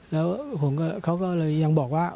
แล้วผมเขาก็เลยยังบอกว่า